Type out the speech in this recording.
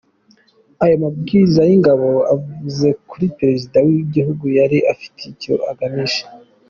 Ayo mabwiriza y’Ingabo avuye kuri Perezida w’Igihugu yari afite icyo agamije.